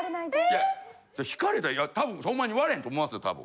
いや引かれたらイヤ多分ほんまに割れへんと思いますよ多分。